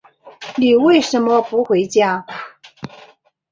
你为什么不回家？